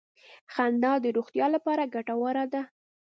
• خندا د روغتیا لپاره ګټوره ده.